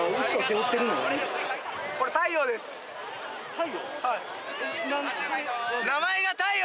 太陽？